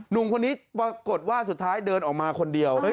หนุ่มคนนี้ปรากฏว่าสุดท้ายเดินออกมาคนเดียว